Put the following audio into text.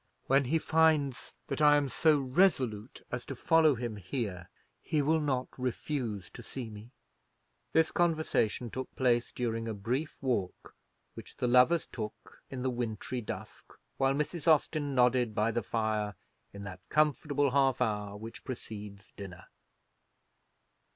When he finds that I am so resolute as to follow him here, he will not refuse to see me." This conversation took place during a brief walk which the lovers took in the wintry dusk, while Mrs. Austin nodded by the fire in that comfortable half hour which precedes dinner.